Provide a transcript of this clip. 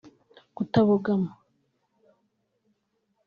kutabogama